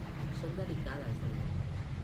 Són delicades, diuen.